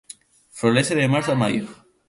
Florece de marzo a mayo.